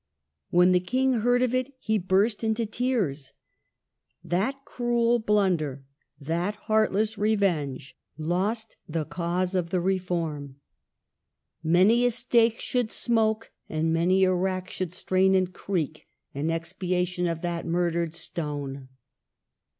When the King heard of it, he burst into tears. That cruel blunder, that heartless revenge, lost the cause of the Reform. Many 148 MARGARET OF ANGOUL^ME. a stake should smoke, and many a rack should strain and creak, in expiation for that murdered stone.